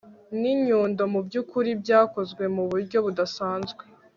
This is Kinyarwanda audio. Ninyundo mubyukuri byakozwe muburyo budasanzwe